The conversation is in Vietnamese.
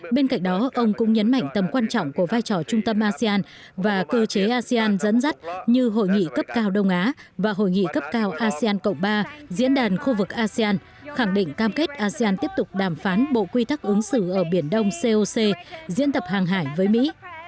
bên cạnh đó ông cũng nhấn mạnh tầm quan trọng của vai trò trung tâm asean và cơ chế asean dẫn dắt như hội nghị cấp cao đông á và hội nghị cấp cao asean cộng ba diễn đàn khu vực asean khẳng định cam kết asean tiếp tục đàm phán bộ quy tắc ứng xử ở biển đông coc diễn tập hàng hải với mỹ